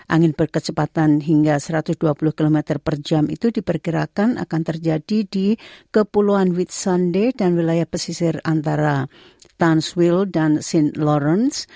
angin berkecepatan hingga satu ratus dua puluh km per jam itu diperkirakan akan terjadi di kepulauan with sunde dan wilayah pesisir antara tanswill dan scene lawrence